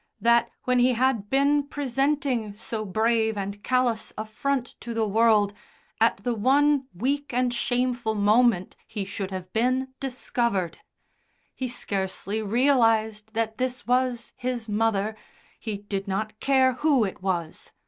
That, when he had been presenting so brave and callous a front to the world, at the one weak and shameful moment he should have been discovered! He scarcely realised that this was his mother, he did not care who it was.